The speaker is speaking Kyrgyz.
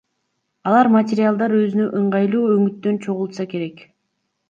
Алар материалдарды өзүнө ыңгайлуу өңүттөн чогултса керек.